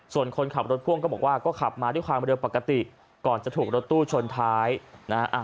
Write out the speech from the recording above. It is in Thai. ส่วนคนขับรถพ่วงก็บอกว่าก็ขับมาด้วยความเร็วปกติก่อนจะถูกรถตู้ชนท้ายนะฮะ